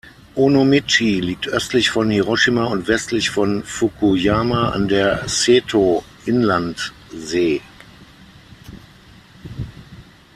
Onomichi liegt östlich von Hiroshima und westlich von Fukuyama an der Seto-Inlandsee.